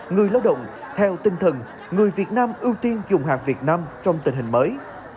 người lao động theo tinh thần người việt nam ưu tiên dùng hàng việt nam trong tình hình mới